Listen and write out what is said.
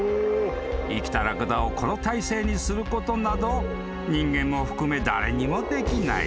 ［生きたラクダをこの体勢にすることなど人間も含め誰にもできない］